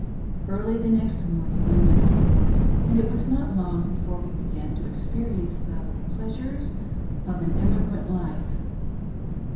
Early the next morning we went on board, and it was not long before we began to experience the pleasures (i") of an emi grant life.